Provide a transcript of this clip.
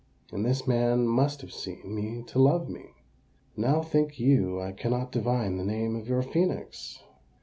And this man must have seen me to love me! Now think you I cannot divine the name of your phœnix?"